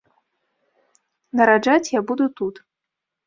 Нараджаць я буду тут.